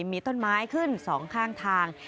มีต้นไม้ขึ้น๒ข้างทาง